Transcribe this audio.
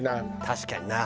確かにな。